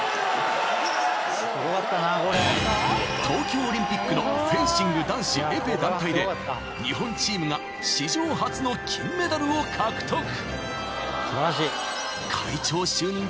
［東京オリンピックのフェンシング男子エペ団体で日本チームが史上初の金メダルを獲得］